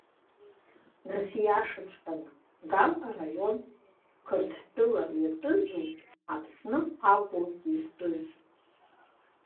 Нас ииашаҵәҟьаны Гал араион Қырҭтәыла иатәызу Аԥсны акәу изтәыз?